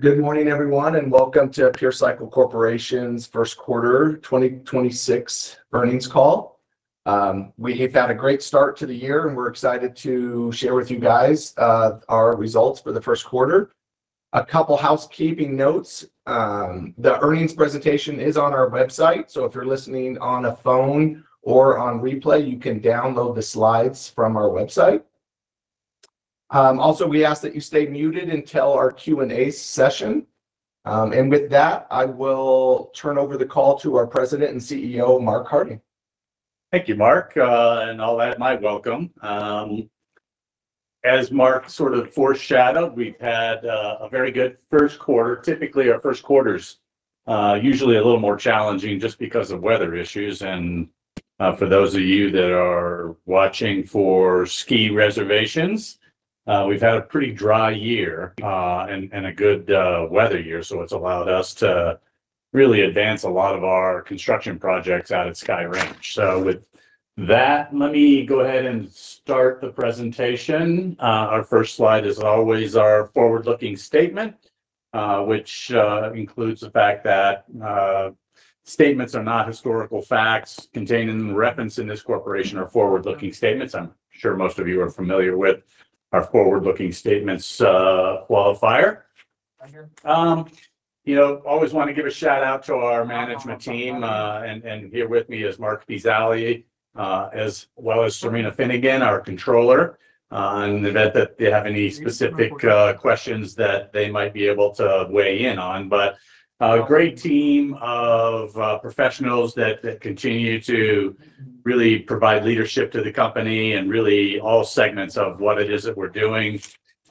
Good morning, everyone, and welcome to Pure Cycle Corporation's first quarter 2026 earnings call. We've had a great start to the year, and we're excited to share with you guys our results for the first quarter. A couple of housekeeping notes: the earnings presentation is on our website, so if you're listening on a phone or on replay, you can download the slides from our website. Also, we ask that you stay muted until our Q&A session. And with that, I will turn over the call to our President and CEO, Mark Harding. Thank you, Mark, and I'll add my welcome. As Mark sort of foreshadowed, we've had a very good first quarter. Typically, our first quarter's usually a little more challenging just because of weather issues, and for those of you that are watching for ski reservations, we've had a pretty dry year and a good weather year, so it's allowed us to really advance a lot of our construction projects out at Sky Ranch, so with that, let me go ahead and start the presentation. Our first slide, as always, is our forward-looking statement, which includes the fact that statements are not historical facts contained in reference in this corporation are forward-looking statements. I'm sure most of you are familiar with our forward-looking statements qualifier. I always want to give a shout-out to our management team. And here with me is Marc Spezialy, as well as Cyrena Finnegan, our controller, in the event that they have any specific questions that they might be able to weigh in on. But a great team of professionals that continue to really provide leadership to the company in really all segments of what it is that we're doing,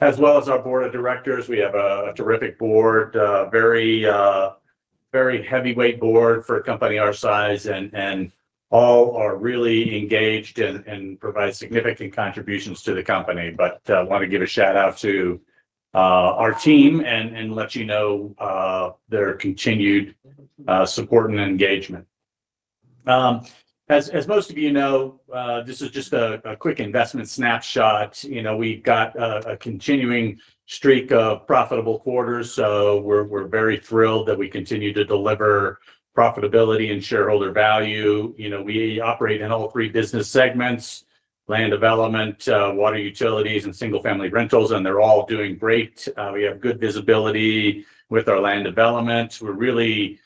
as well as our board of directors. We have a terrific board, a very heavyweight board for a company our size, and all are really engaged and provide significant contributions to the company. But I want to give a shout-out to our team and let you know their continued support and engagement. As most of you know, this is just a quick investment snapshot. We've got a continuing streak of profitable quarters, so we're very thrilled that we continue to deliver profitability and shareholder value. We operate in all three business segments: land development, water utilities, and single-family rentals, and they're all doing great. We have good visibility with our land development. We're really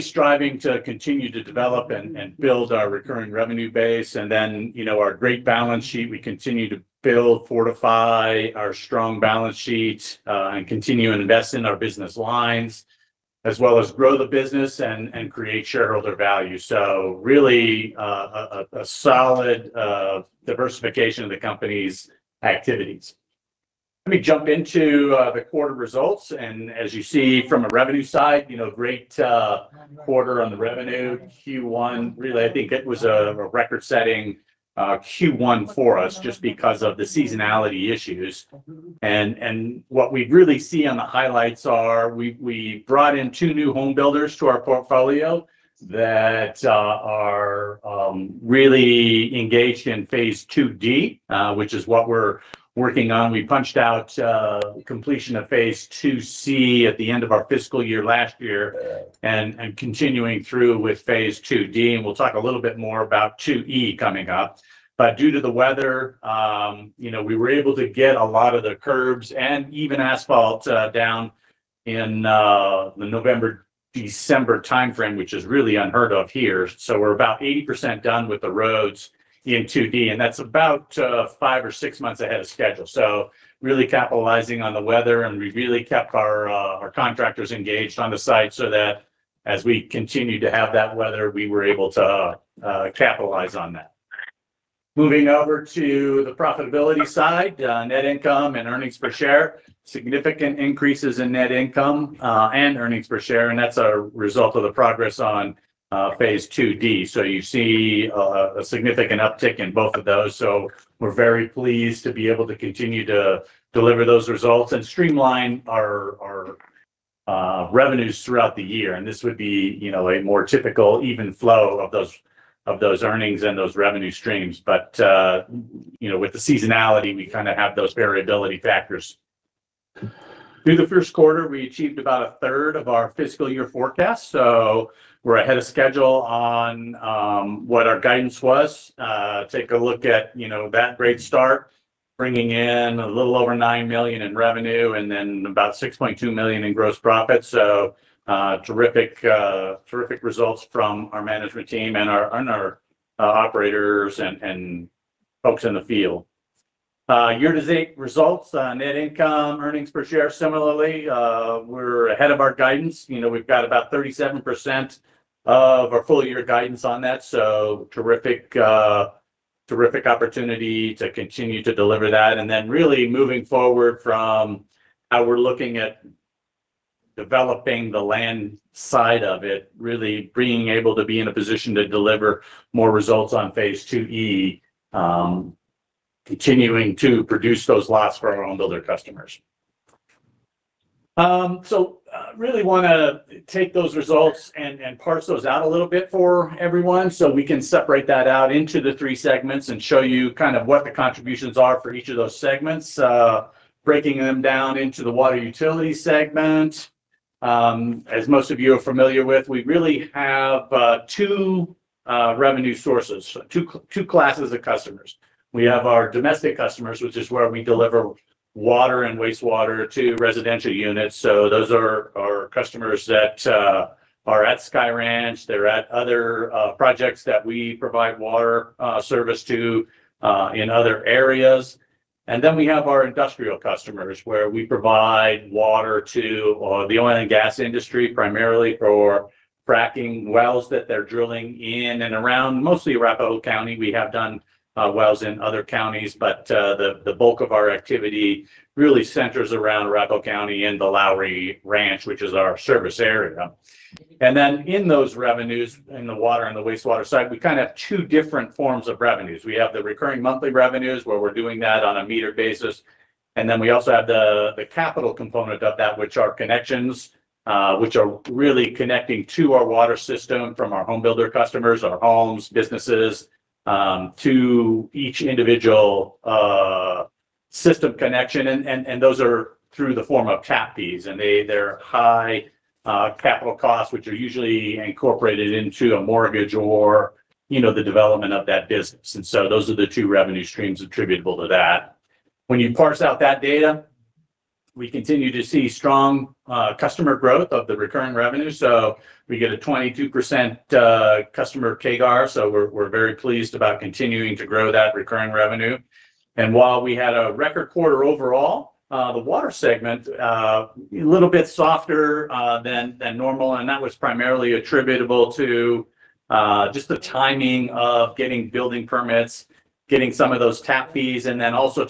striving to continue to develop and build our recurring revenue base, and then our great balance sheet, we continue to build, fortify our strong balance sheet, and continue to invest in our business lines, as well as grow the business and create shareholder value, so really a solid diversification of the company's activities. Let me jump into the quarter results, and as you see from a revenue side, great quarter on the revenue. Q1, really, I think it was a record-setting Q1 for us just because of the seasonality issues, and what we really see on the highlights are we brought in two new homebuilders to our portfolio that are really engaged in phase 2D, which is what we're working on. We punched out completion of Phase 2C at the end of our fiscal year last year and continuing through with Phase 2D. We'll talk a little bit more about 2E coming up. Due to the weather, we were able to get a lot of the curbs and even asphalt down in the November-December timeframe, which is really unheard of here. We're about 80% done with the roads in 2D, and that's about five or six months ahead of schedule. Really capitalizing on the weather, we really kept our contractors engaged on the site so that as we continued to have that weather, we were able to capitalize on that. Moving over to the profitability side, net income and earnings per share saw significant increases in net income and earnings per share. That's a result of the progress on Phase 2D. You see a significant uptick in both of those. We're very pleased to be able to continue to deliver those results and streamline our revenues throughout the year. This would be a more typical even flow of those earnings and those revenue streams. With the seasonality, we kind of have those variability factors. Through the first quarter, we achieved about a third of our fiscal year forecast. We're ahead of schedule on what our guidance was. Take a look at that great start, bringing in a little over $9 million in revenue and then about $6.2 million in gross profits. Terrific results from our management team and our operators and folks in the field. Year-to-date results, net income, earnings per share, similarly, we're ahead of our guidance. We've got about 37% of our full-year guidance on that. So terrific opportunity to continue to deliver that. And then really moving forward from how we're looking at developing the land side of it, really being able to be in a position to deliver more results on Phase 2E, continuing to produce those lots for our homebuilder customers. So really want to take those results and parse those out a little bit for everyone so we can separate that out into the three segments and show you kind of what the contributions are for each of those segments, breaking them down into the water utility segment. As most of you are familiar with, we really have two revenue sources, two classes of customers. We have our domestic customers, which is where we deliver water and wastewater to residential units. So those are our customers that are at Sky Ranch. They're at other projects that we provide water service to in other areas. And then we have our industrial customers where we provide water to the oil and gas industry primarily for fracking wells that they're drilling in and around mostly Arapahoe County. We have done wells in other counties, but the bulk of our activity really centers around Arapahoe County and the Lowry Ranch, which is our service area. And then in those revenues, in the water and the wastewater side, we kind of have two different forms of revenues. We have the recurring monthly revenues where we're doing that on a meter basis. And then we also have the capital component of that, which are connections, which are really connecting to our water system from our homebuilder customers, our homes, businesses, to each individual system connection. And those are through the form of tap fees. They're high capital costs, which are usually incorporated into a mortgage or the development of that business. Those are the two revenue streams attributable to that. When you parse out that data, we continue to see strong customer growth of the recurring revenue. We get a 22% customer CAGR. We're very pleased about continuing to grow that recurring revenue. While we had a record quarter overall, the water segment [was] a little bit softer than normal. That was primarily attributable to just the timing of getting building permits, getting some of those Taps, and then also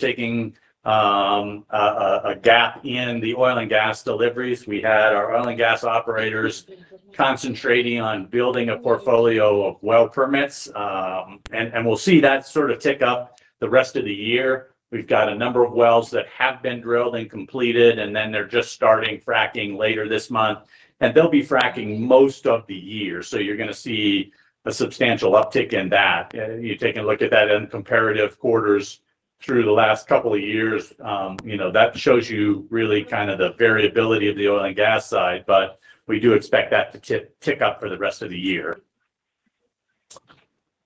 taking a gap in the oil and gas deliveries. We had our oil and gas operators concentrating on building a portfolio of well permits. We'll see that sort of tick up the rest of the year. We've got a number of wells that have been drilled and completed, and then they're just starting fracking later this month, and they'll be fracking most of the year, so you're going to see a substantial uptick in that. You take a look at that in comparative quarters through the last couple of years. That shows you really kind of the variability of the oil and gas side, but we do expect that to tick up for the rest of the year.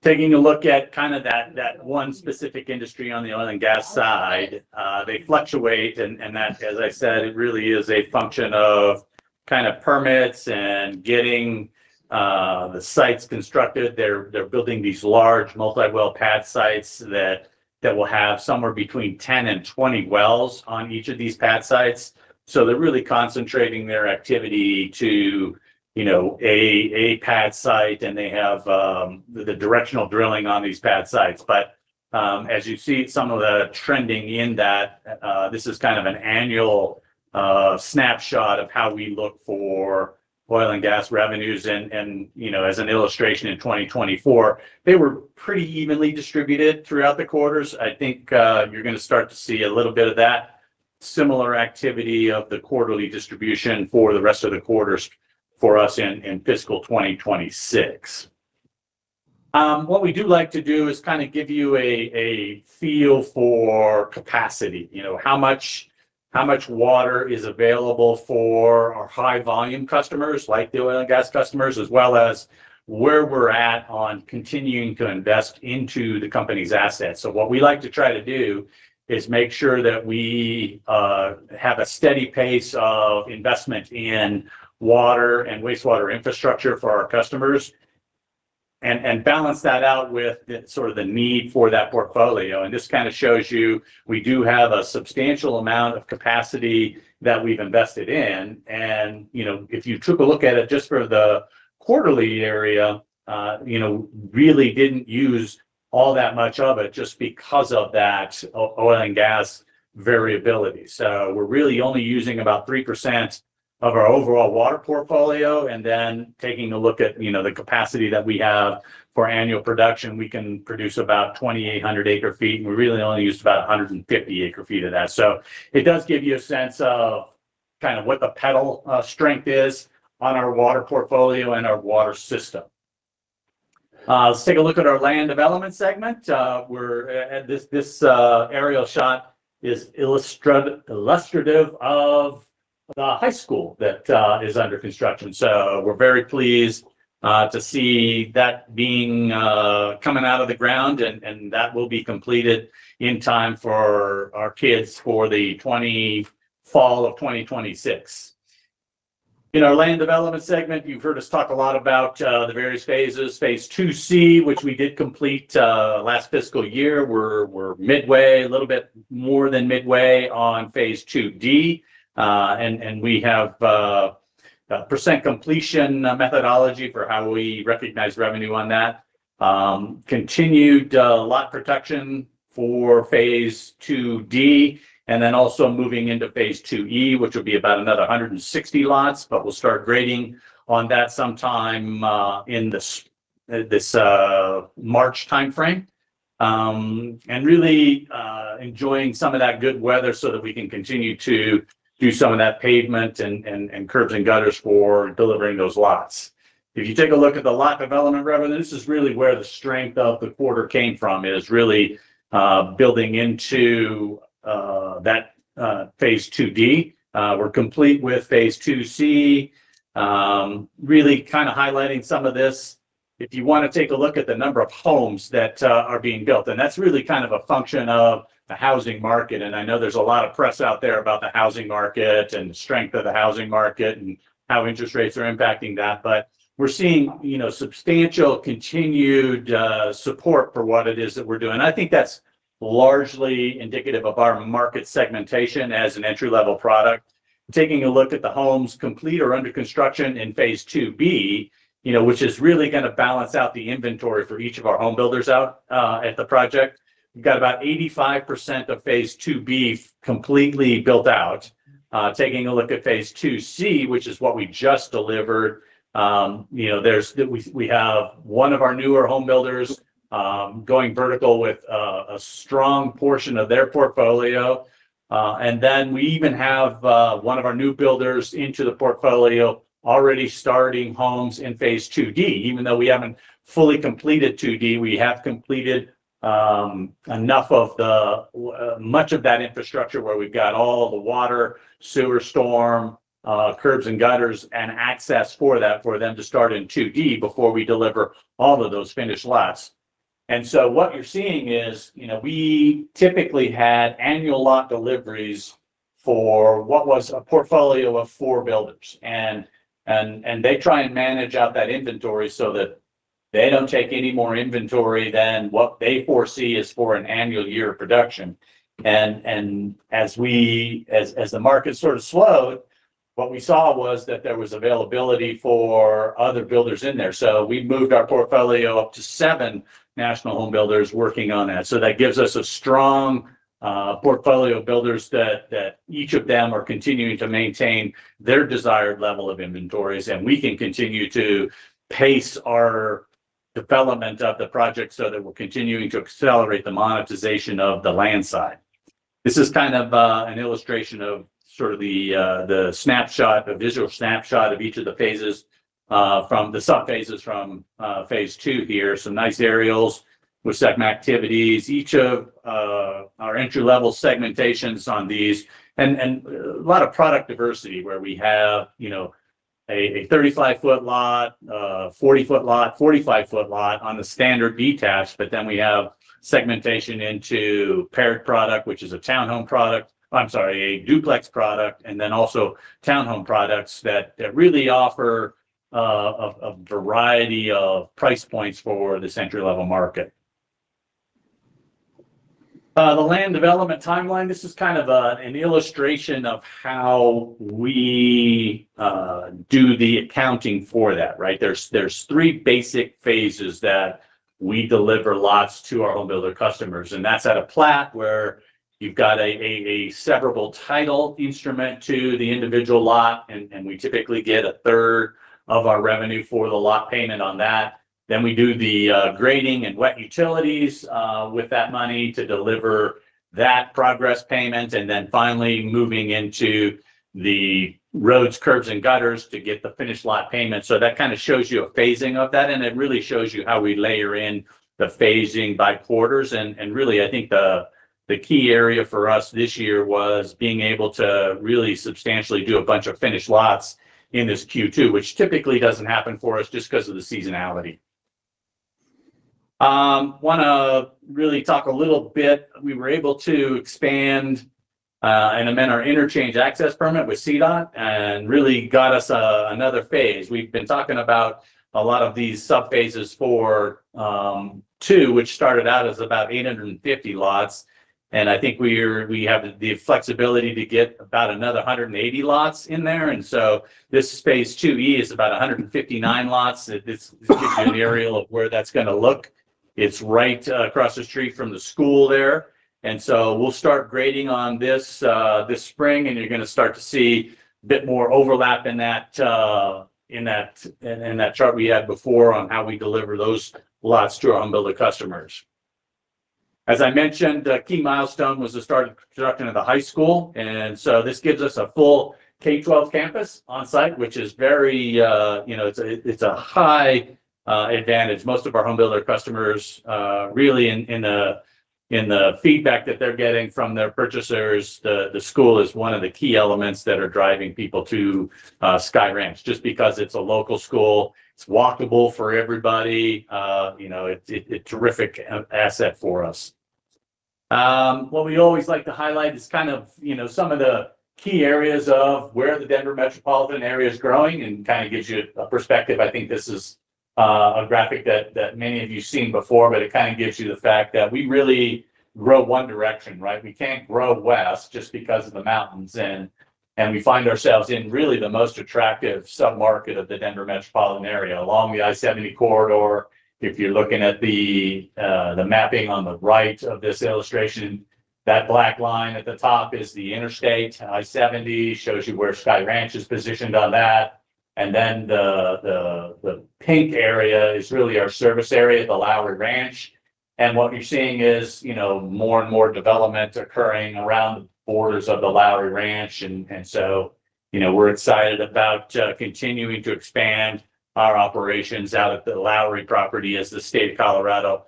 Taking a look at kind of that one specific industry on the oil and gas side, they fluctuate, and that, as I said, it really is a function of kind of permits and getting the sites constructed. They're building these large multi-well pad sites that will have somewhere between 10 and 20 wells on each of these pad sites. So they're really concentrating their activity to a pad site, and they have the directional drilling on these pad sites. But as you see some of the trending in that, this is kind of an annual snapshot of how we look for oil and gas revenues. And as an illustration, in 2024, they were pretty evenly distributed throughout the quarters. I think you're going to start to see a little bit of that similar activity of the quarterly distribution for the rest of the quarters for us in fiscal 2026. What we do like to do is kind of give you a feel for capacity, how much water is available for our high-volume customers, like the oil and gas customers, as well as where we're at on continuing to invest into the company's assets. So what we like to try to do is make sure that we have a steady pace of investment in water and wastewater infrastructure for our customers and balance that out with sort of the need for that portfolio. And this kind of shows you we do have a substantial amount of capacity that we've invested in. And if you took a look at it just for the quarterly area, we really didn't use all that much of it just because of that oil and gas variability. So we're really only using about 3% of our overall water portfolio. And then taking a look at the capacity that we have for annual production, we can produce about 2,800 acre-feet. And we really only used about 150 acre-feet of that. So it does give you a sense of kind of what the pedal strength is on our water portfolio and our water system. Let's take a look at our land development segment. This aerial shot is illustrative of the high school that is under construction. So we're very pleased to see that coming out of the ground. And that will be completed in time for our kids for the fall of 2026. In our land development segment, you've heard us talk a lot about the various phases. Phase 2C, which we did complete last fiscal year, we're midway, a little bit more than midway on Phase 2D. And we have a percent completion methodology for how we recognize revenue on that, continued lot production for Phase 2D, and then also moving into Phase 2E, which will be about another 160 lots. But we'll start grading on that sometime in this March timeframe. And really enjoying some of that good weather so that we can continue to do some of that pavement and curbs and gutters for delivering those lots. If you take a look at the lot development revenue, this is really where the strength of the quarter came from, is really building into that Phase 2D. We're complete with Phase 2C, really kind of highlighting some of this. If you want to take a look at the number of homes that are being built, and that's really kind of a function of the housing market. And I know there's a lot of press out there about the housing market and the strength of the housing market and how interest rates are impacting that. But we're seeing substantial continued support for what it is that we're doing. I think that's largely indicative of our market segmentation as an entry-level product. Taking a look at the homes complete or under construction in Phase 2B, which is really going to balance out the inventory for each of our homebuilders out at the project. We've got about 85% of Phase 2B completely built out. Taking a look at Phase 2C, which is what we just delivered, we have one of our newer homebuilders going vertical with a strong portion of their portfolio, and then we even have one of our new builders into the portfolio already starting homes in Phase 2D. Even though we haven't fully completed 2D, we have completed enough of much of that infrastructure where we've got all the water, sewer, storm, curbs, and gutters and access for that for them to start in 2D before we deliver all of those finished lots. And so what you're seeing is we typically had annual lot deliveries for what was a portfolio of four builders. And they try and manage out that inventory so that they don't take any more inventory than what they foresee is for an annual year of production. And as the market sort of slowed, what we saw was that there was availability for other builders in there. So we moved our portfolio up to seven national homebuilders working on that. So that gives us a strong portfolio of builders that each of them are continuing to maintain their desired level of inventories. And we can continue to pace our development of the project so that we're continuing to accelerate the monetization of the land side. This is kind of an illustration of sort of the visual snapshot of each of the phases from the sub-phases from phase 2 here. Some nice aerials, which segment activities, each of our entry-level segmentations on these. And a lot of product diversity where we have a 35-foot lot, 40-foot lot, 45-foot lot on the standard detached. But then we have segmentation into paired product, which is a townhome product. I'm sorry, a duplex product, and then also townhome products that really offer a variety of price points for this entry-level market. The land development timeline, this is kind of an illustration of how we do the accounting for that, right? There's three basic phases that we deliver lots to our homebuilder customers. And that's at a plat where you've got a severable title instrument to the individual lot. And we typically get a third of our revenue for the lot payment on that. Then we do the grading and wet utilities with that money to deliver that progress payment. And then finally, moving into the roads, curbs, and gutters to get the finished lot payment. So that kind of shows you a phasing of that. And it really shows you how we layer in the phasing by quarters. And really, I think the key area for us this year was being able to really substantially do a bunch of finished lots in this Q2, which typically doesn't happen for us just because of the seasonality. I want to really talk a little bit. We were able to expand and amend our interchange access permit with CDOT and really got us another phase. We've been talking about a lot of these sub-phases for two, which started out as about 850 lots. And I think we have the flexibility to get about another 180 lots in there. And so this phase 2E is about 159 lots. This gives you an aerial of where that's going to look. It's right across the street from the school there, and so we'll start grading on this spring, and you're going to start to see a bit more overlap in that chart we had before on how we deliver those lots to our homebuilder customers. As I mentioned, the key milestone was the start of construction of the high school, and so this gives us a full K-12 campus on site, which is very. It's a high advantage. Most of our homebuilder customers, really, in the feedback that they're getting from their purchasers, the school is one of the key elements that are driving people to Sky Ranch just because it's a local school. It's walkable for everybody. It's a terrific asset for us. What we always like to highlight is kind of some of the key areas of where the Denver metropolitan area is growing and kind of gives you a perspective. I think this is a graphic that many of you have seen before, but it kind of gives you the fact that we really grow one direction, right? We can't grow west just because of the mountains. And we find ourselves in really the most attractive sub-market of the Denver metropolitan area along the I-70 corridor. If you're looking at the mapping on the right of this illustration, that black line at the top is the interstate. I-70 shows you where Sky Ranch is positioned on that. And then the pink area is really our service area at the Lowry Ranch. And what you're seeing is more and more development occurring around the borders of the Lowry Ranch. And so we're excited about continuing to expand our operations out at the Lowry Ranch as the state of Colorado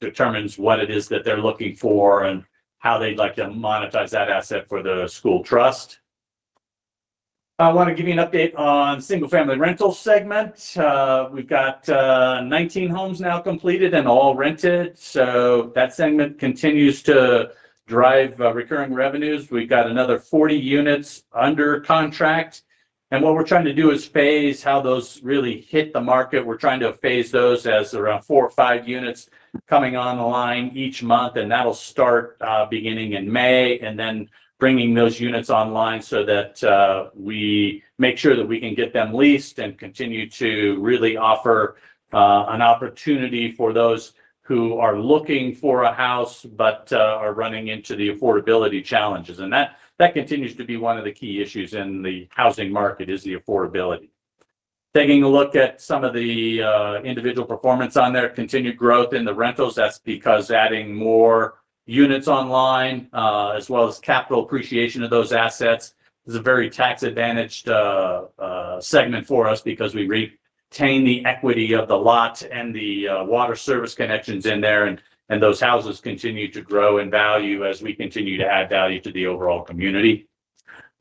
determines what it is that they're looking for and how they'd like to monetize that asset for the school trust. I want to give you an update on the single-family rental segment. We've got 19 homes now completed and all rented. So that segment continues to drive recurring revenues. We've got another 40 units under contract. And what we're trying to do is phase how those really hit the market. We're trying to phase those as around four or five units coming online each month. And that'll start beginning in May and then bringing those units online so that we make sure that we can get them leased and continue to really offer an opportunity for those who are looking for a house but are running into the affordability challenges. That continues to be one of the key issues in the housing market is the affordability. Taking a look at some of the individual performance on there, continued growth in the rentals. That's because adding more units online as well as capital appreciation of those assets is a very tax-advantaged segment for us because we retain the equity of the lot and the water service connections in there. Those houses continue to grow in value as we continue to add value to the overall community.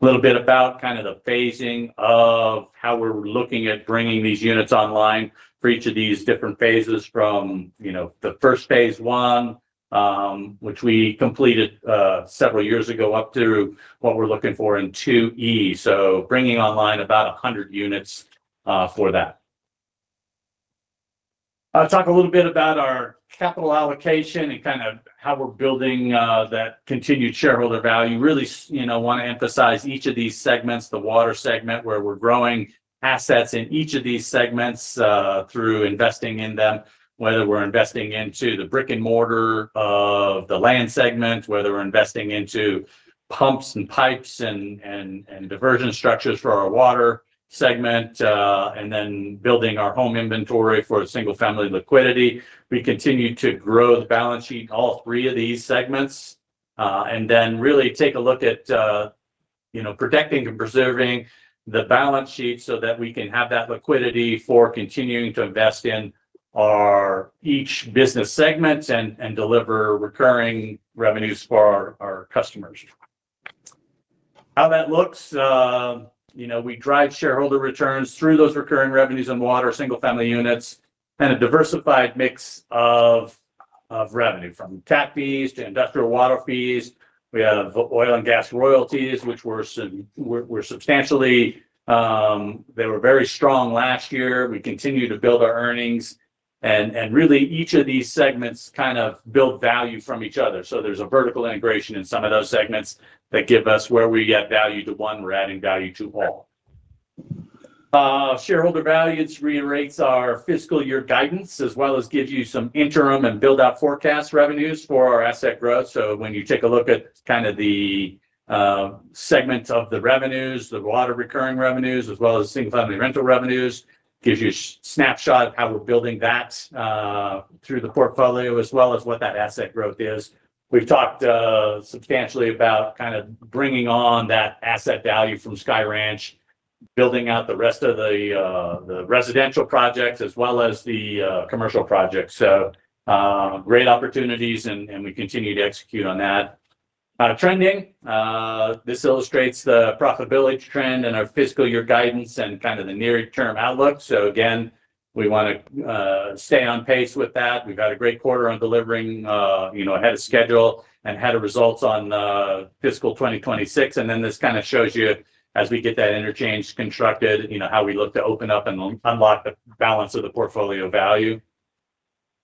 A little bit about kind of the phasing of how we're looking at bringing these units online for each of these different phases from the first phase one, which we completed several years ago, up through what we're looking for in 2E. Bringing online about 100 units for that. I'll talk a little bit about our capital allocation and kind of how we're building that continued shareholder value. Really want to emphasize each of these segments, the water segment, where we're growing assets in each of these segments through investing in them, whether we're investing into the brick and mortar of the land segment, whether we're investing into pumps and pipes and diversion structures for our water segment, and then building our home inventory for single-family liquidity. We continue to grow the balance sheet in all three of these segments. And then really take a look at protecting and preserving the balance sheet so that we can have that liquidity for continuing to invest in each business segment and deliver recurring revenues for our customers. How that looks, we drive shareholder returns through those recurring revenues on water, single-family units, and a diversified mix of revenue from tap fees to industrial water fees. We have oil and gas royalties, which were substantially, they were very strong last year. We continue to build our earnings. And really, each of these segments kind of build value from each other. So there's a vertical integration in some of those segments that give us where we add value to one, we're adding value to all. Shareholder values reiterates our fiscal year guidance as well as gives you some interim and build-out forecast revenues for our asset growth. So when you take a look at kind of the segments of the revenues, the water recurring revenues, as well as single-family rental revenues, gives you a snapshot of how we're building that through the portfolio as well as what that asset growth is. We've talked substantially about kind of bringing on that asset value from Sky Ranch, building out the rest of the residential projects as well as the commercial projects. So great opportunities, and we continue to execute on that. Trending, this illustrates the profitability trend and our fiscal year guidance and kind of the near-term outlook. So again, we want to stay on pace with that. We've had a great quarter on delivering ahead of schedule and had results on fiscal 2026. And then this kind of shows you, as we get that interchange constructed, how we look to open up and unlock the balance of the portfolio value.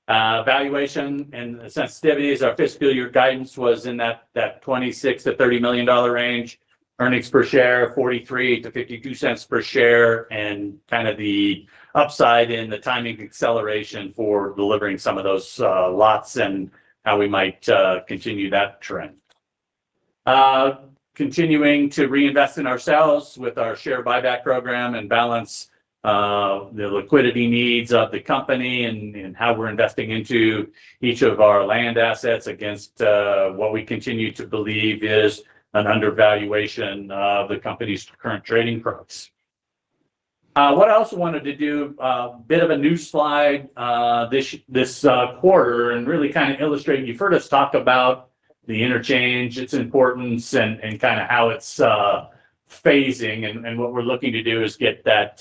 Valuation and sensitivities, our fiscal year guidance was in that $26 million-$30 million range. Earnings per share, $0.43-$0.52 per share. And kind of the upside in the timing acceleration for delivering some of those lots and how we might continue that trend. Continuing to reinvest in ourselves with our share buyback program and balance the liquidity needs of the company and how we're investing into each of our land assets against what we continue to believe is an undervaluation of the company's current trading price. What I also wanted to do, a bit of a new slide this quarter and really kind of illustrate. You've heard us talk about the interchange, its importance, and kind of how it's phasing. And what we're looking to do is get that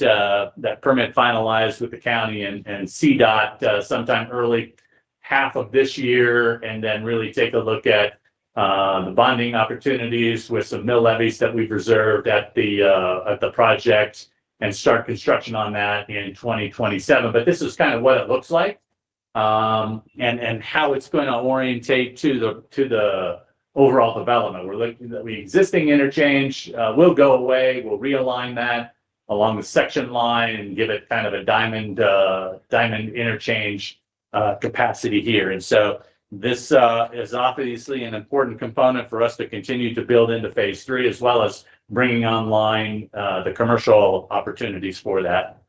permit finalized with the county and CDOT sometime early half of this year and then really take a look at the bonding opportunities with some mill levies that we've reserved at the project and start construction on that in 2027. But this is kind of what it looks like and how it's going to orientate to the overall development. The existing interchange will go away. We'll realign that along the section line and give it kind of a diamond interchange capacity here. And so this is obviously an important component for us to continue to build into phase three as well as bringing online the commercial opportunities for that.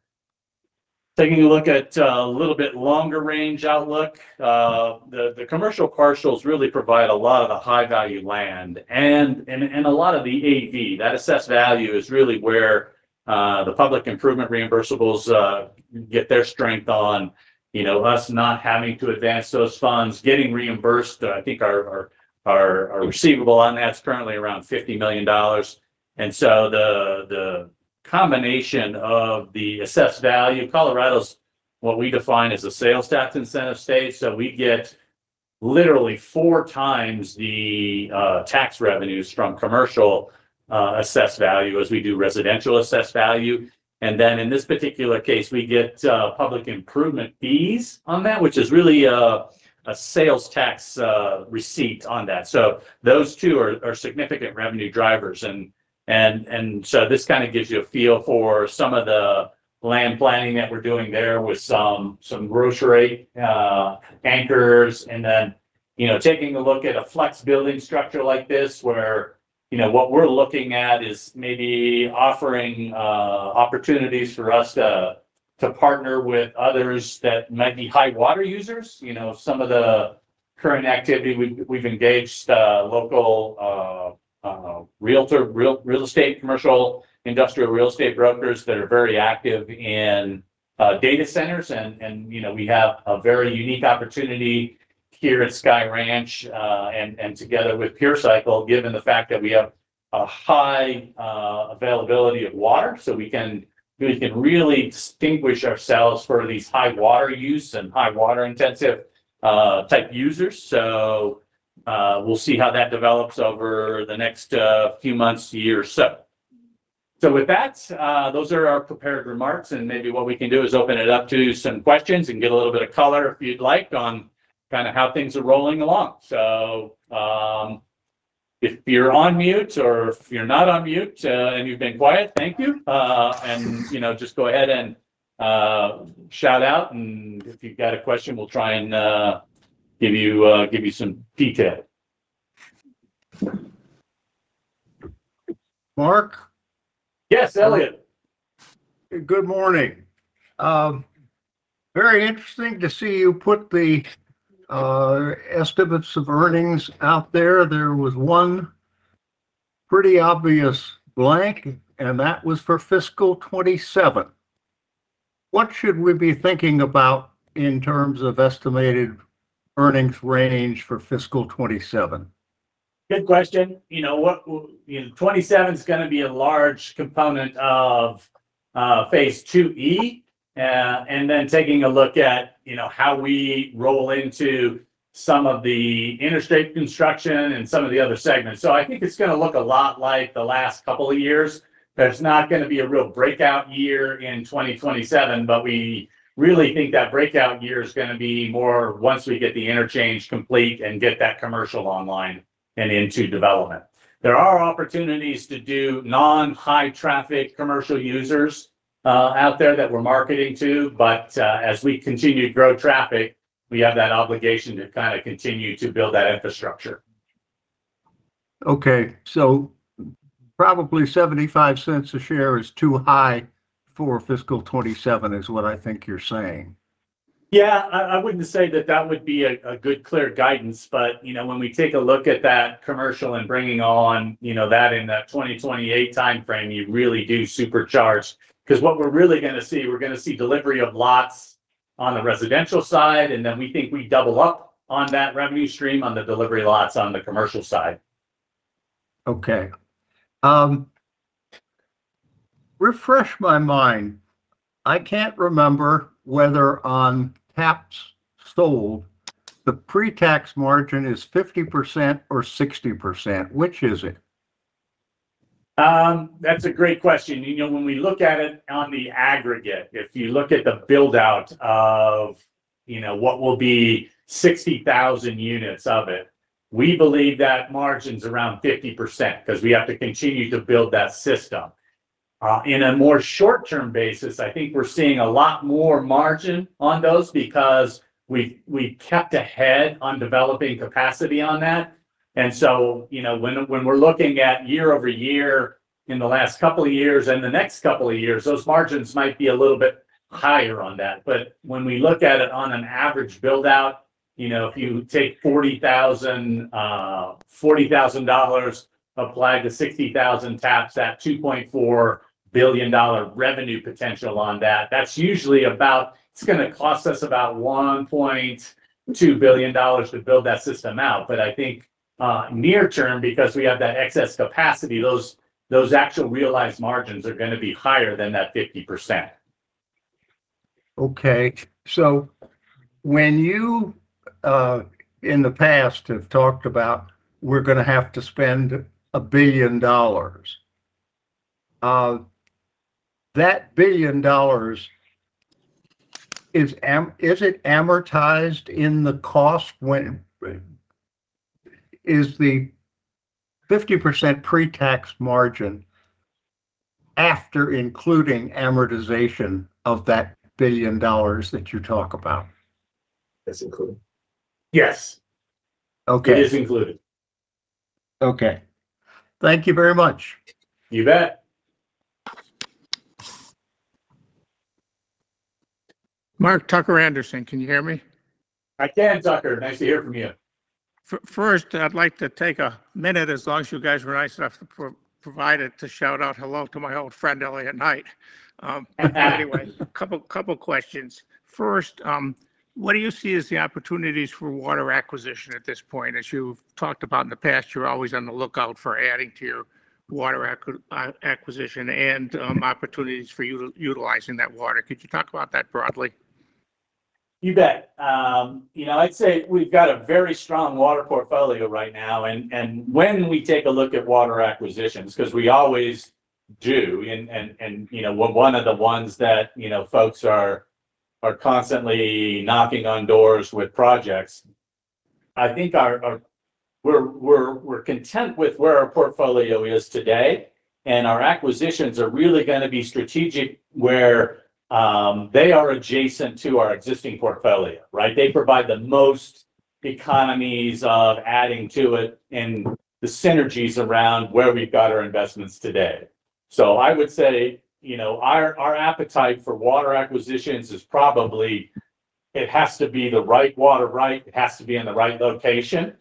Taking a look at a little bit longer range outlook, the commercial parcels really provide a lot of the high-value land and a lot of the AV. That assessed value is really where the public improvement reimbursables get their strength on us not having to advance those funds, getting reimbursed. I think our receivable on that's currently around $50 million. And so the combination of the assessed value, Colorado's what we define as a sales tax incentive state. So we get literally four times the tax revenues from commercial assessed value as we do residential assessed value. And then in this particular case, we get public improvement fees on that, which is really a sales tax receipt on that. So those two are significant revenue drivers. And so this kind of gives you a feel for some of the land planning that we're doing there with some grocery anchors. And then, taking a look at a flex building structure like this, where what we're looking at is maybe offering opportunities for us to partner with others that might be high water users. Some of the current activity, we've engaged local real estate commercial, industrial real estate brokers that are very active in data centers. And we have a very unique opportunity here at Sky Ranch and together with Pure Cycle, given the fact that we have a high availability of water. So we can really distinguish ourselves for these high water use and high water intensive type users. So we'll see how that develops over the next few months, year or so. So with that, those are our prepared remarks. And maybe what we can do is open it up to some questions and get a little bit of color if you'd like on kind of how things are rolling along. So if you're on mute or if you're not on mute and you've been quiet, thank you. And just go ahead and shout out. And if you've got a question, we'll try and give you some detail. Mark? Yes, Elliot. Good morning. Very interesting to see you put the estimates of earnings out there. There was one pretty obvious blank, and that was for fiscal 2027. What should we be thinking about in terms of estimated earnings range for fiscal 2027? Good question. 2027 is going to be a large component of Phase 2E and then taking a look at how we roll into some of the interstate construction and some of the other segments. So I think it's going to look a lot like the last couple of years. There's not going to be a real breakout year in 2027, but we really think that breakout year is going to be more once we get the interchange complete and get that commercial online and into development. There are opportunities to do non-high traffic commercial users out there that we're marketing to. But as we continue to grow traffic, we have that obligation to kind of continue to build that infrastructure. Okay, so probably $0.75 a share is too high for fiscal 2027 is what I think you're saying. Yeah. I wouldn't say that that would be a good clear guidance. But when we take a look at that commercial and bringing on that in that 2028 timeframe, you really do supercharge because what we're really going to see, we're going to see delivery of lots on the residential side. And then we think we double up on that revenue stream on the delivery lots on the commercial side. Okay. Refresh my mind. I can't remember whether on caps sold, the pre-tax margin is 50% or 60%. Which is it? That's a great question. When we look at it on the aggregate, if you look at the build-out of what will be 60,000 units of it, we believe that margin's around 50% because we have to continue to build that system. In a more short-term basis, I think we're seeing a lot more margin on those because we've kept ahead on developing capacity on that. And so when we're looking at year over year in the last couple of years and the next couple of years, those margins might be a little bit higher on that. But when we look at it on an average build-out, if you take $40,000 applied to 60,000 taps, that $2.4 billion revenue potential on that, that's usually about. It's going to cost us about $1.2 billion to build that system out. But I think near-term, because we have that excess capacity, those actual realized margins are going to be higher than that 50%. Okay. So when you in the past have talked about, "We're going to have to spend $1 billion," that $1 billion, is it amortized in the cost when is the 50% pre-tax margin after including amortization of that $1 billion that you talk about? It's included. Yes. It is included. Okay. Thank you very much. You bet. Tucker Anderson, can you hear me? I can, Tucker. Nice to hear from you. First, I'd like to take a minute as long as you guys were nice enough to provide it to shout out hello to my old friend Elliot Knight. Anyway, a couple of questions. First, what do you see as the opportunities for water acquisition at this point? As you've talked about in the past, you're always on the lookout for adding to your water acquisition and opportunities for you utilizing that water. Could you talk about that broadly? You bet. I'd say we've got a very strong water portfolio right now. And when we take a look at water acquisitions, because we always do, and one of the ones that folks are constantly knocking on doors with projects, I think we're content with where our portfolio is today. And our acquisitions are really going to be strategic where they are adjacent to our existing portfolio, right? They provide the most economies of adding to it and the synergies around where we've got our investments today. So I would say our appetite for water acquisitions is probably it has to be the right water right. It has to be in the right location.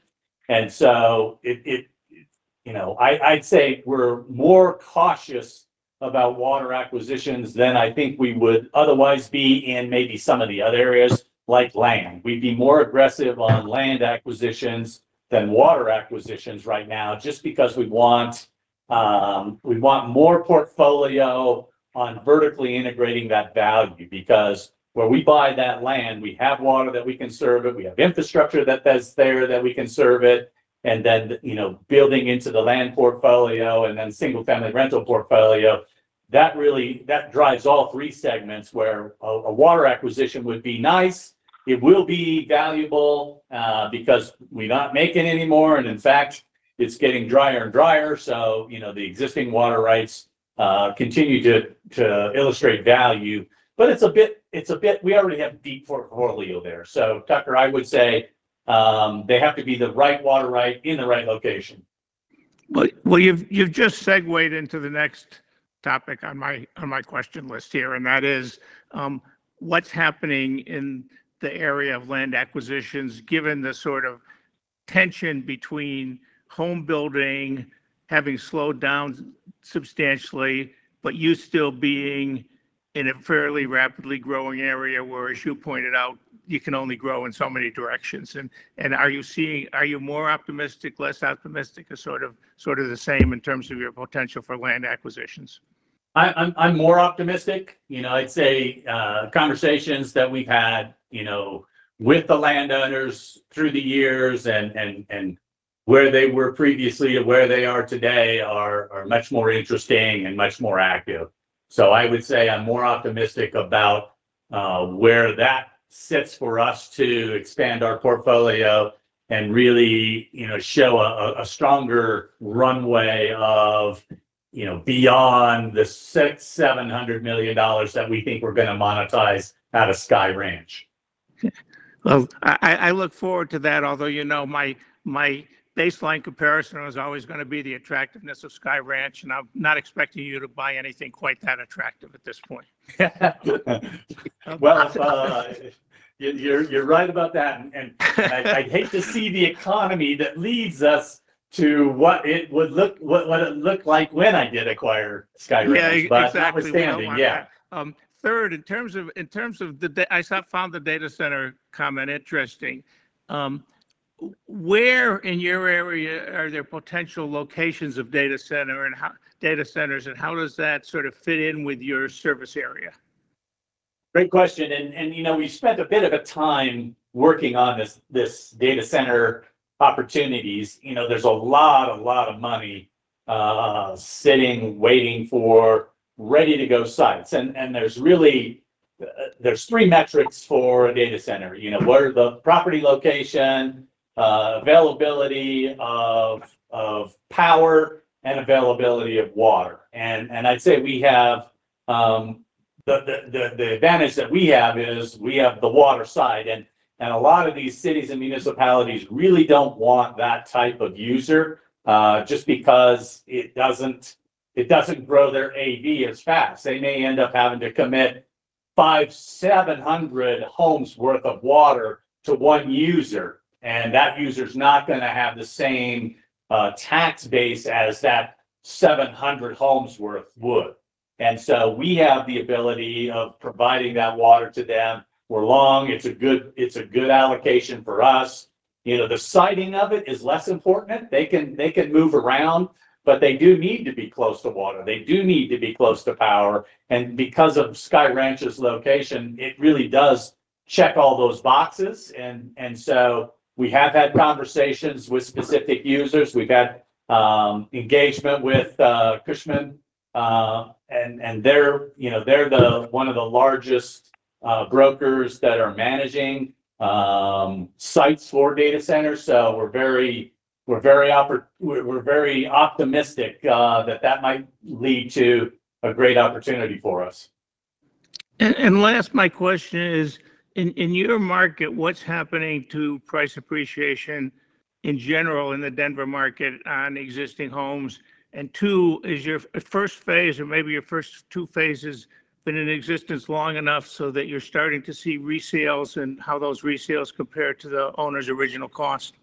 And so I'd say we're more cautious about water acquisitions than I think we would otherwise be in maybe some of the other areas like land. We'd be more aggressive on land acquisitions than water acquisitions right now just because we want more portfolio on vertically integrating that value because where we buy that land, we have water that we can serve it. We have infrastructure that's there that we can serve it. And then building into the land portfolio and then single-family rental portfolio, that drives all three segments where a water acquisition would be nice. It will be valuable because we're not making any more. And in fact, it's getting drier and drier. So the existing water rights continue to illustrate value. But it's a bit we already have deep portfolio there. So Tucker, I would say they have to be the right water right in the right location. Well, you've just segued into the next topic on my question list here. And that is what's happening in the area of land acquisitions given the sort of tension between home building having slowed down substantially, but you still being in a fairly rapidly growing area where, as you pointed out, you can only grow in so many directions. And are you more optimistic, less optimistic, or sort of the same in terms of your potential for land acquisitions? I'm more optimistic. I'd say conversations that we've had with the landowners through the years and where they were previously to where they are today are much more interesting and much more active. So I would say I'm more optimistic about where that sits for us to expand our portfolio and really show a stronger runway beyond the $600-$700 million that we think we're going to monetize out of Sky Ranch. I look forward to that. Although my baseline comparison was always going to be the attractiveness of Sky Ranch, and I'm not expecting you to buy anything quite that attractive at this point. You're right about that. And I'd hate to see the economy that leads us to what it would look like when I did acquire Sky Ranch. But understanding, yeah. Third, in terms of I found the data center comment interesting. Where in your area are there potential locations of data centers? And how does that sort of fit in with your service area? Great question. And we've spent a bit of time working on this data center opportunities. There's a lot, a lot of money sitting, waiting for ready-to-go sites. And there's three metrics for a data center. What are the property location, availability of power, and availability of water? And I'd say the advantage that we have is we have the water side. And a lot of these cities and municipalities really don't want that type of user just because it doesn't grow their AV as fast. They may end up having to commit 5,700 homes' worth of water to one user. And that user's not going to have the same tax base as that 700 homes' worth would. And so we have the ability of providing that water to them. We're long. It's a good allocation for us. The siting of it is less important. They can move around, but they do need to be close to water. They do need to be close to power. And because of Sky Ranch's location, it really does check all those boxes. And so we have had conversations with specific users. We've had engagement with Cushman. And they're one of the largest brokers that are managing sites for data centers. So we're very optimistic that that might lead to a great opportunity for us. Last, my question is, in your market, what's happening to price appreciation in general in the Denver market on existing homes? Two, has your first phase or maybe your first two phases been in existence long enough so that you're starting to see resales and how those resales compare to the owner's original cost?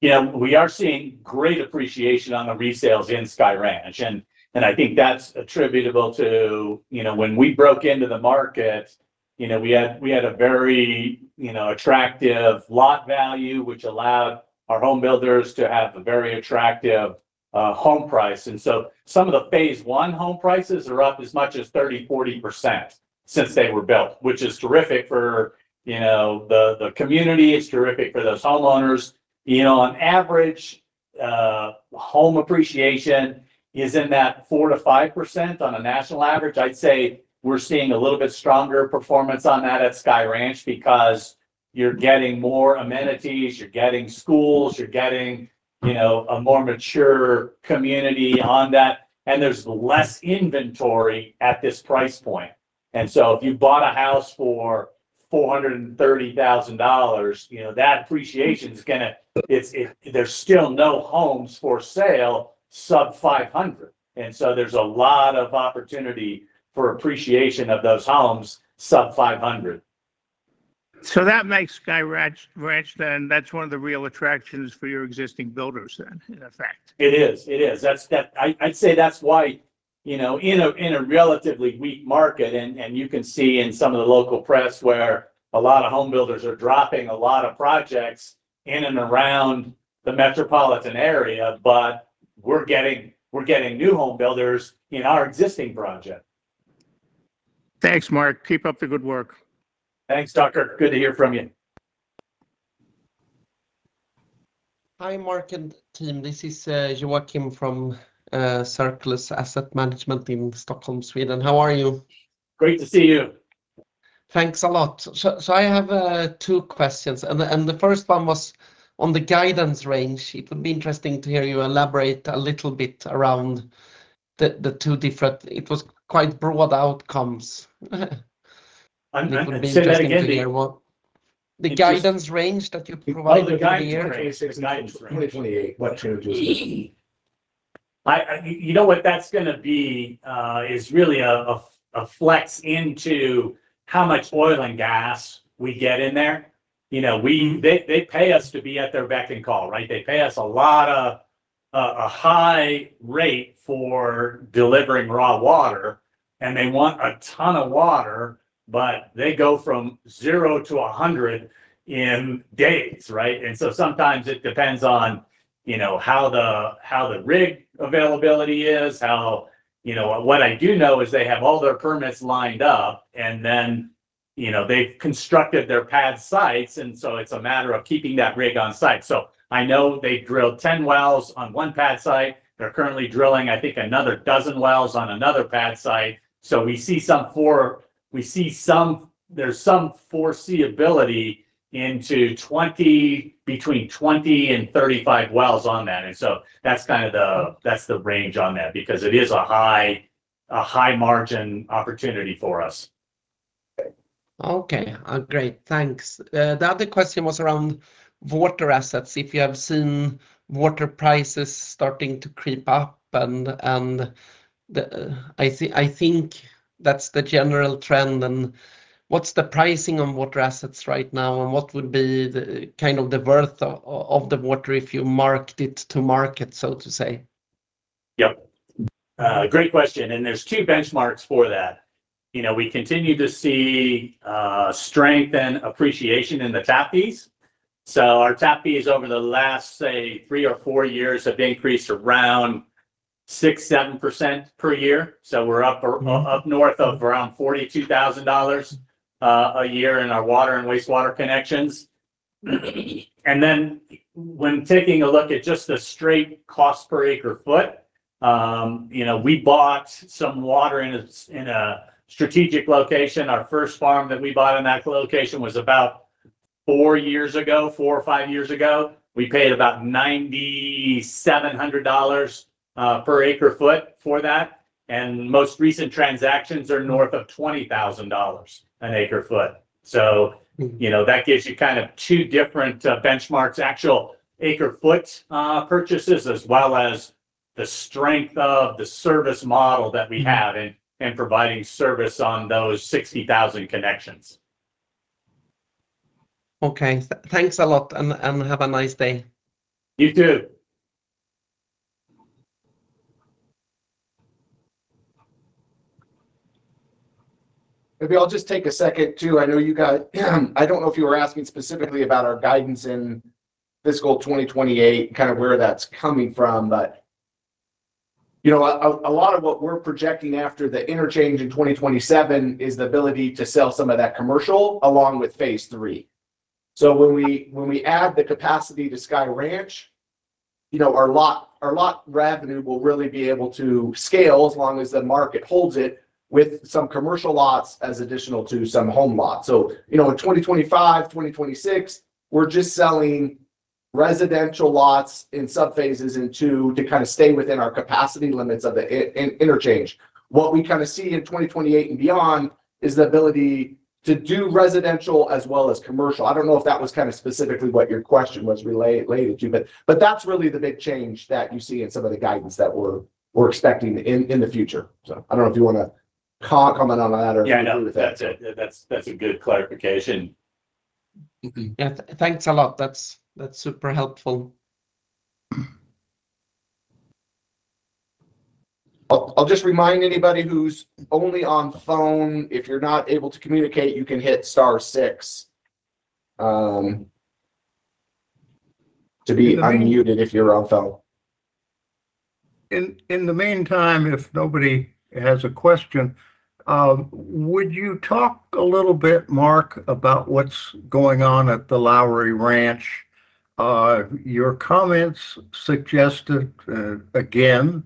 Yeah. We are seeing great appreciation on the resales in Sky Ranch. And I think that's attributable to when we broke into the market, we had a very attractive lot value, which allowed our home builders to have a very attractive home price. And so some of the phase one home prices are up as much as 30%-40% since they were built, which is terrific for the community. It's terrific for those homeowners. On average, home appreciation is in that 4%-5% on a national average. I'd say we're seeing a little bit stronger performance on that at Sky Ranch because you're getting more amenities. You're getting schools. You're getting a more mature community on that. And there's less inventory at this price point. And so if you bought a house for $430,000, that appreciation is going to there's still no homes for sale sub-500. And so there's a lot of opportunity for appreciation of those homes sub-500. So that makes Sky Ranch, and that's one of the real attractions for your existing builders then, in effect. It is. It is. I'd say that's why in a relatively weak market, and you can see in some of the local press where a lot of home builders are dropping a lot of projects in and around the metropolitan area, but we're getting new home builders in our existing project. Thanks, Mark. Keep up the good work. Thanks, Tucker. Good to hear from you. Hi, Mark and team. This is Joakim from Circulus Asset Management in Stockholm, Sweden. How are you? Great to see you. Thanks a lot, so I have two questions, and the first one was on the guidance range. It would be interesting to hear you elaborate a little bit around the two different, it was quite broad, outcomes. I'm interested in the guidance. The guidance range that you provided in the area. You know what that's going to be is really a flex into how much oil and gas we get in there. They pay us to be at their beck and call, right? They pay us a lot of a high rate for delivering raw water, and they want a ton of water, but they go from 0 to 100 in days, right, and so sometimes it depends on how the rig availability is. What I do know is they have all their permits lined up, and then they've constructed their pad sites, and so it's a matter of keeping that rig on site, so I know they drilled 10 wells on one pad site. They're currently drilling, I think, another dozen wells on another pad site, so we see some. There's some foreseeability into between 20 and 35 wells on that. That's kind of the range on that because it is a high margin opportunity for us. Okay. Great. Thanks. The other question was around water assets. If you have seen water prices starting to creep up, and I think that's the general trend. And what's the pricing on water assets right now? And what would be kind of the worth of the water if you marked it to market, so to say? Yep. Great question. And there's two benchmarks for that. We continue to see strength and appreciation in the tap fees. So our tap fees over the last, say, three or four years have increased around 6%-7% per year. So we're up north of around $42,000 a year in our water and wastewater connections. And then when taking a look at just the straight cost per acre-foot, we bought some water in a strategic location. Our first farm that we bought in that location was about four years ago, four or five years ago. We paid about $9,700 per acre-foot for that. And most recent transactions are north of $20,000 an acre-foot. So that gives you kind of two different benchmarks, actual acre-foot purchases, as well as the strength of the service model that we have in providing service on those 60,000 connections. Okay. Thanks a lot. And have a nice day. You too. Maybe I'll just take a second to. I know you got. I don't know if you were asking specifically about our guidance in fiscal 2028 and kind of where that's coming from, but a lot of what we're projecting after the interchange in 2027 is the ability to sell some of that commercial along with phase three, so when we add the capacity to Sky Ranch, our lot revenue will really be able to scale as long as the market holds it with some commercial lots as additional to some home lots, so in 2025, 2026, we're just selling residential lots in sub-phases into to kind of stay within our capacity limits of the interchange. What we kind of see in 2028 and beyond is the ability to do residential as well as commercial. I don't know if that was kind of specifically what your question was related to, but that's really the big change that you see in some of the guidance that we're expecting in the future. So I don't know if you want to comment on that or. Yeah, no, that's a good clarification. Yeah. Thanks a lot. That's super helpful. I'll just remind anybody who's only on phone, if you're not able to communicate, you can hit star six to be unmuted if you're on phone. In the meantime, if nobody has a question, would you talk a little bit, Mark, about what's going on at the Lowry Ranch? Your comments suggested again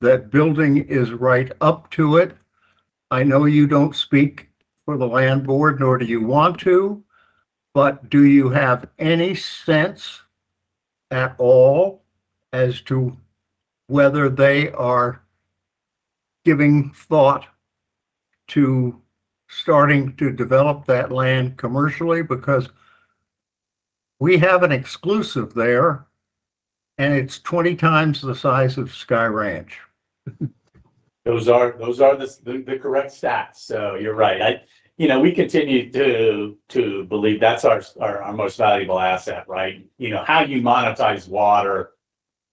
that building is right up to it. I know you don't speak for the land board, nor do you want to, but do you have any sense at all as to whether they are giving thought to starting to develop that land commercially? Because we have an exclusive there, and it's 20 times the size of Sky Ranch. Those are the correct stats. So you're right. We continue to believe that's our most valuable asset, right? How you monetize water,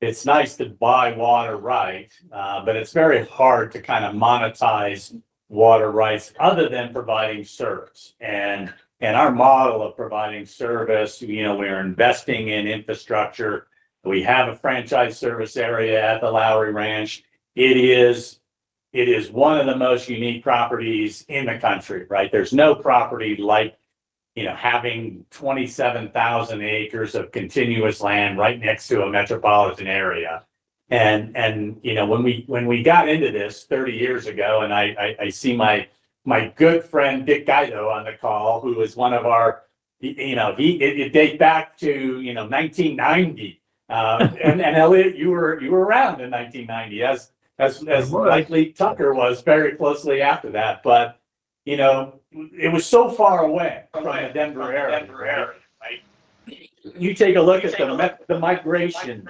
it's nice to buy water right, but it's very hard to kind of monetize water rights other than providing service. And our model of providing service, we are investing in infrastructure. We have a franchise service area at the Lowry Ranch. It is one of the most unique properties in the country, right? There's no property like having 27,000 acres of continuous land right next to a metropolitan area. And when we got into this 30 years ago, and I see my good friend Dick Guido on the call, who dates back to 1990. And Elliot, you were around in 1990, as likely Tucker was very closely after that. But it was so far away from the Denver area, right? You take a look at the migration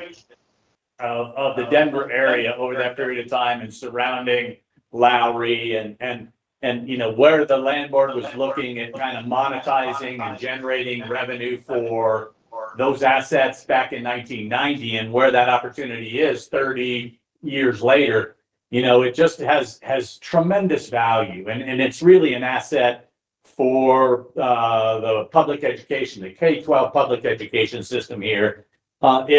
of the Denver area over that period of time and surrounding Lowry and where the land board was looking at kind of monetizing and generating revenue for those assets back in 1990 and where that opportunity is 30 years later. It just has tremendous value, and it's really an asset for the public education, the K-12 public education system here. I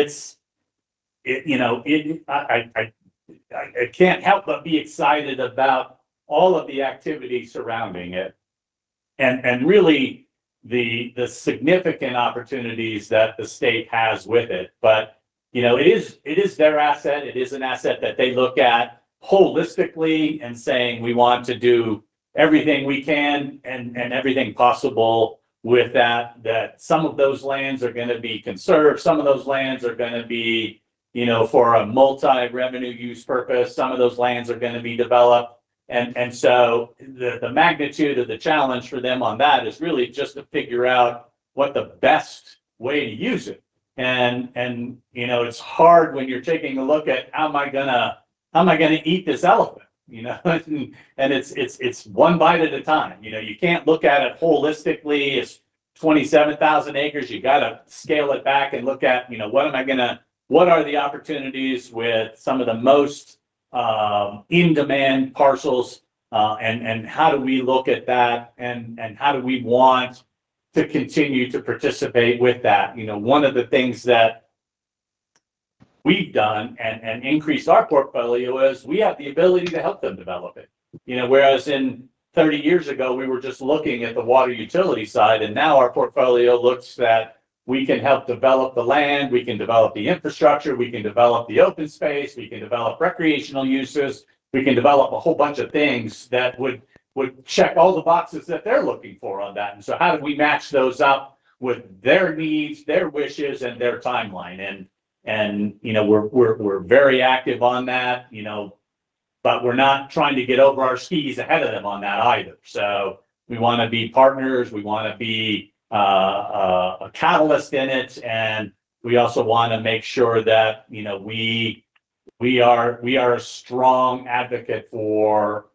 can't help but be excited about all of the activity surrounding it and really the significant opportunities that the state has with it, but it is their asset. It is an asset that they look at holistically and saying, "We want to do everything we can and everything possible with that," that some of those lands are going to be conserved. Some of those lands are going to be for a multi-revenue use purpose. Some of those lands are going to be developed. And so the magnitude of the challenge for them on that is really just to figure out what the best way to use it. And it's hard when you're taking a look at, "How am I going to eat this elephant?" And it's one bite at a time. You can't look at it holistically. It's 27,000 acres. You got to scale it back and look at, "What are the opportunities with some of the most in-demand parcels? And how do we look at that? And how do we want to continue to participate with that?" One of the things that we've done and increased our portfolio is we have the ability to help them develop it. Whereas 30 years ago, we were just looking at the water utility side. And now our portfolio looks that we can help develop the land. We can develop the infrastructure. We can develop the open space. We can develop recreational uses. We can develop a whole bunch of things that would check all the boxes that they're looking for on that. And so how do we match those up with their needs, their wishes, and their timeline? And we're very active on that, but we're not trying to get over our skis ahead of them on that either. So we want to be partners. We want to be a catalyst in it. And we also want to make sure that we are a strong advocate for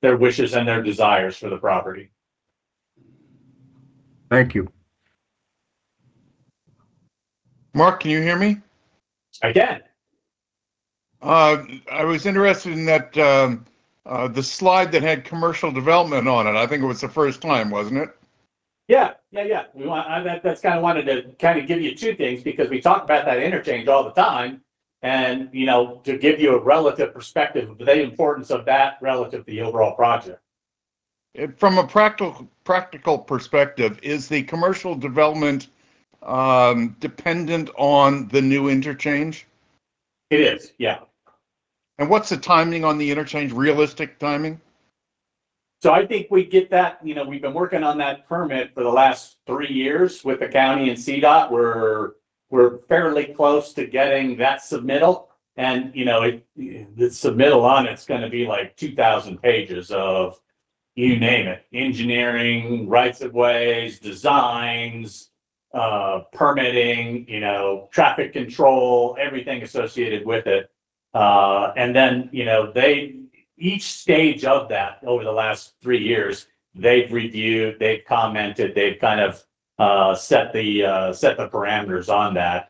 their wishes and their desires for the property. Thank you. Mark, can you hear me? I can. I was interested in the slide that had commercial development on it. I think it was the first time, wasn't it? Yeah. Yeah, yeah. That's kind of what I wanted to kind of give you two things because we talk about that interchange all the time and to give you a relative perspective of the importance of that relative to the overall project. From a practical perspective, is the commercial development dependent on the new interchange? It is. Yeah. What's the timing on the interchange, realistic timing? So I think we get that. We've been working on that permit for the last three years with the county and CDOT. We're fairly close to getting that submittal. And the submittal on it. It's going to be like 2,000 pages of, you name it, engineering, rights-of-way, designs, permitting, traffic control, everything associated with it. And then each stage of that, over the last three years, they've reviewed, they've commented, they've kind of set the parameters on that.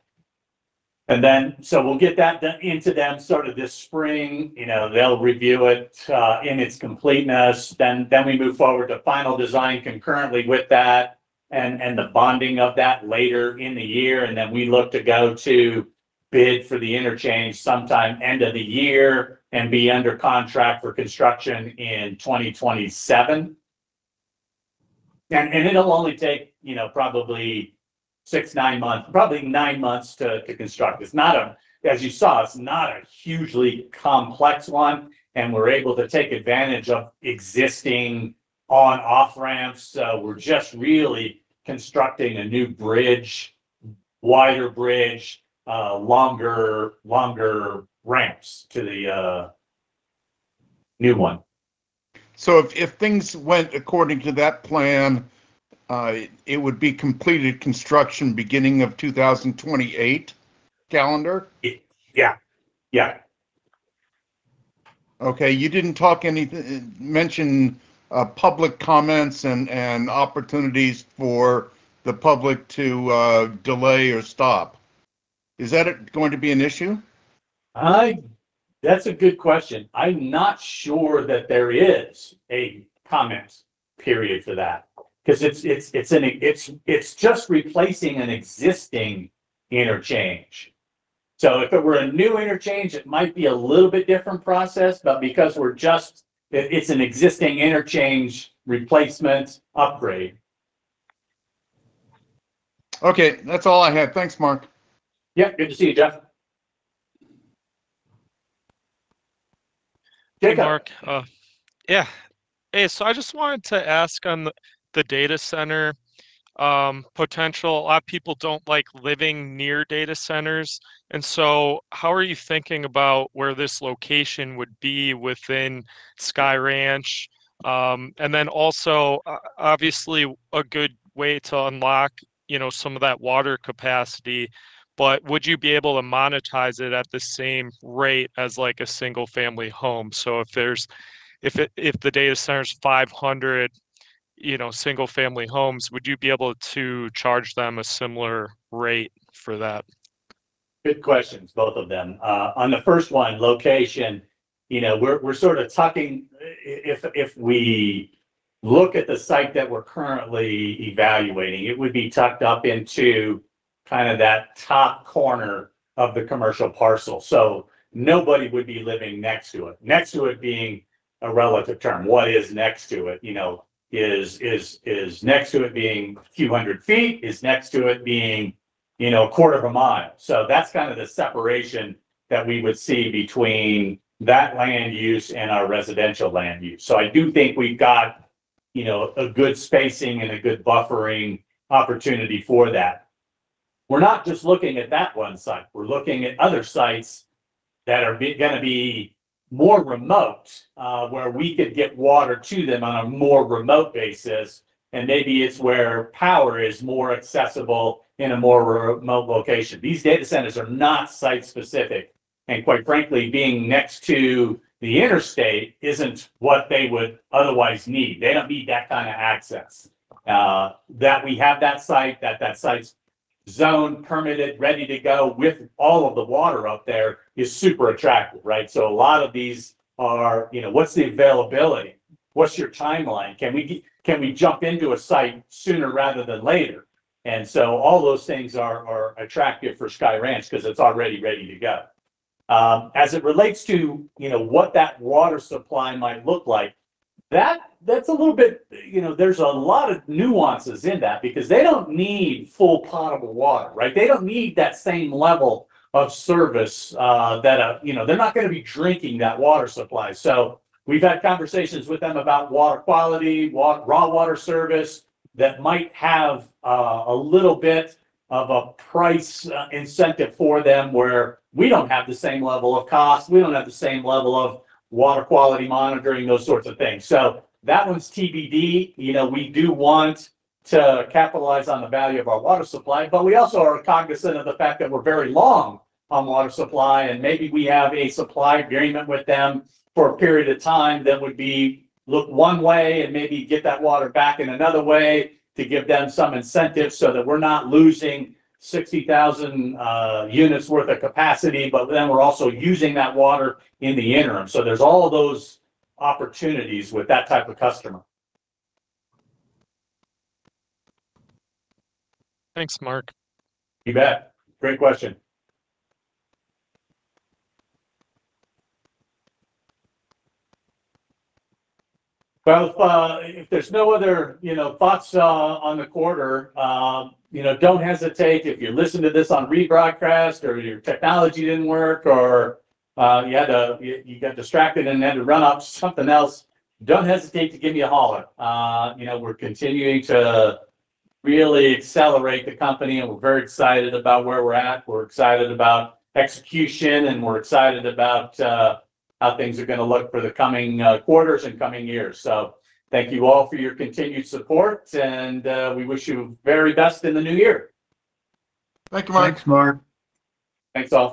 And then so we'll get that into them sort of this spring. They'll review it in its completeness. Then we move forward to final design concurrently with that and the bonding of that later in the year. And then we look to go to bid for the interchange sometime end of the year and be under contract for construction in 2027. And it'll only take probably six, nine months, probably nine months to construct. As you saw, it's not a hugely complex one. And we're able to take advantage of existing on-off ramps. So we're just really constructing a new bridge, wider bridge, longer ramps to the new one. So if things went according to that plan, it would be completed construction beginning of 2028 calendar? Yeah. Yeah. Okay. You didn't mention public comments and opportunities for the public to delay or stop. Is that going to be an issue? That's a good question. I'm not sure that there is a comment period for that because it's just replacing an existing interchange. So if it were a new interchange, it might be a little bit different process. But because it's just an existing interchange replacement upgrade. Okay. That's all I had. Thanks, Mark. Yeah. Good to see you, Jeff. Jacob. Hey, Mark. Yeah. So I just wanted to ask on the data center potential. A lot of people don't like living near data centers. And so how are you thinking about where this location would be within Sky Ranch? And then also, obviously, a good way to unlock some of that water capacity. But would you be able to monetize it at the same rate as a single-family home? So if the data center is 500 single-family homes, would you be able to charge them a similar rate for that? Good questions, both of them. On the first one, location, we're sort of talking if we look at the site that we're currently evaluating, it would be tucked up into kind of that top corner of the commercial parcel. So nobody would be living next to it. Next to it being a relative term. What is next to it? Is next to it being a few hundred feet? Is next to it being a quarter of a mile? So that's kind of the separation that we would see between that land use and our residential land use. So I do think we've got a good spacing and a good buffering opportunity for that. We're not just looking at that one site. We're looking at other sites that are going to be more remote where we could get water to them on a more remote basis. And maybe it's where power is more accessible in a more remote location. These data centers are not site-specific. And quite frankly, being next to the interstate isn't what they would otherwise need. They don't need that kind of access. That we have that site, that that site's zoned, permitted, ready to go with all of the water up there is super attractive, right? So a lot of these are, what's the availability? What's your timeline? Can we jump into a site sooner rather than later? And so all those things are attractive for Sky Ranch because it's already ready to go. As it relates to what that water supply might look like, that's a little bit, there's a lot of nuances in that because they don't need full potable water, right? They don't need that same level of service that they're not going to be drinking that water supply. So we've had conversations with them about water quality, raw water service that might have a little bit of a price incentive for them where we don't have the same level of cost. We don't have the same level of water quality monitoring, those sorts of things. So that one's TBD. We do want to capitalize on the value of our water supply. But we also are cognizant of the fact that we're very long on water supply. And maybe we have a supply agreement with them for a period of time that would be look one way and maybe get that water back in another way to give them some incentive so that we're not losing 60,000 units worth of capacity, but then we're also using that water in the interim. So there's all those opportunities with that type of customer. Thanks, Mark. You bet. Great question. If there's no other thoughts on the quarter, don't hesitate if you listen to this on rebroadcast or your technology didn't work or you got distracted and had to run off something else. Don't hesitate to give me a holler. We're continuing to really accelerate the company. We're very excited about where we're at. We're excited about execution. We're excited about how things are going to look for the coming quarters and coming years. So thank you all for your continued support. We wish you very best in the new year. Thank you, Mark. Thanks, Mark. Thanks also.